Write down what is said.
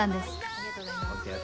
ありがとうございます。